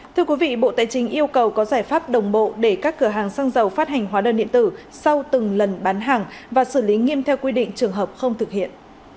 thưa quý vị bộ tài chính yêu cầu có giải pháp đồng bộ để các cửa hàng xăng dầu phát hành hóa đơn điện tử sau từng lần bán hàng và xử lý nghiêm theo quy định trường hợp không thực hiện